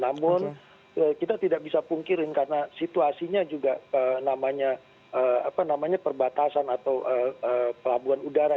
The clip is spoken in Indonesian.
namun kita tidak bisa pungkirin karena situasinya juga namanya perbatasan atau pelabuhan udara